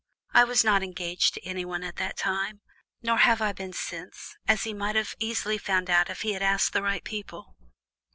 I was not engaged to anyone at that time, nor have I been since, as he might have easily found out if he had asked the right people."